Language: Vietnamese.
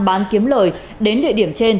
bán kiếm lời đến địa điểm trên